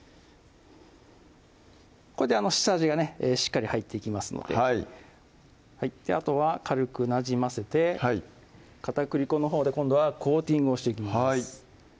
これで下味がねしっかり入っていきますのであとは軽くなじませて片栗粉のほうで今度はコーティングをしていきます